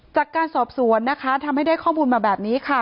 จากการสอบสวนนะคะทำให้ได้ข้อมูลมาแบบนี้ค่ะ